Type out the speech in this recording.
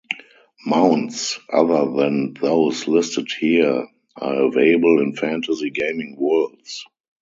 Mounts other than those listed here are available in fantasy gaming worlds